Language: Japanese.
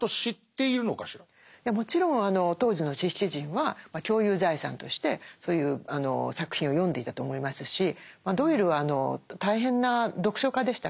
もちろん当時の知識人は共有財産としてそういう作品を読んでいたと思いますしドイルは大変な読書家でしたから必ず読んでたと思うんですね。